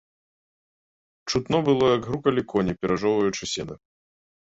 Чутно было, як грукалі коні, перажоўваючы сена.